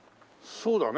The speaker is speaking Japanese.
そうだね。